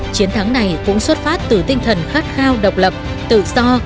chiến thắng này cũng xuất phát từ tinh thần khát khao độc lập tự do